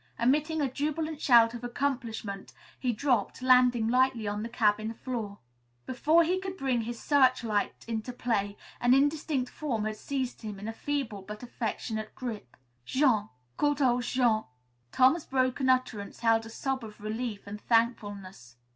Emitting a jubilant shout of accomplishment, he dropped, landing lightly on the cabin floor. Before he could bring his searchlight into play, an indistinct form had seized him in a feeble but affectionate grip. "Jean good old Jean!" Tom's broken utterance held a sob of relief and thankfulness.